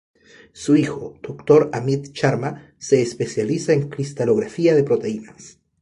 Su hijo, Dr. Amit Sharma, se especializa en cristalografía de proteínas.